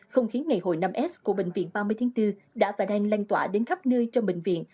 không khiến ngày hội năm s của bệnh viện ba mươi tháng bốn đã và đang lanh tỏa đến khắp nơi trong bệnh viện